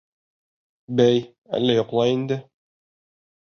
Бәй, әллә йоҡлай инде?